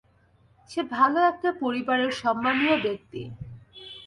সে ভালো একটা পরিবারের সম্মানীয় ব্যক্তি।